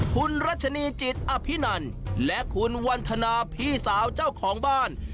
คุณรัชนีจิตอภินันและคุณวันทนาพี่สาวเจ้าของบ้าน